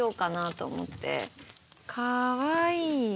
かわいい。